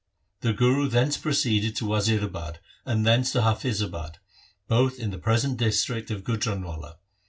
3 The Guru thence proceeded to Wazirabad and thence to Hafizabad, both in the present district of Gujranwala.